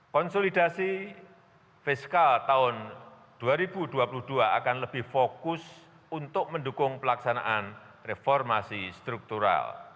konsolidasi fiskal tahun dua ribu dua puluh dua akan lebih fokus untuk mendukung pelaksanaan reformasi struktural